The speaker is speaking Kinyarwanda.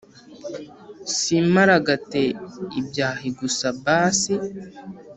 Simparagate ibyahi gusa basi